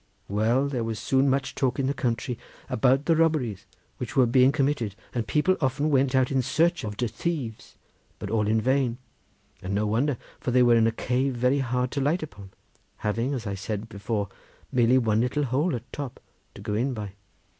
Well, there was soon much talk in the country about the robberies which were being committed, and people often went out in search of de thieves, but all in vain; and no wonder, for they were in a cave very hard to light upon, having as I said before merely one little hole at top to go in by.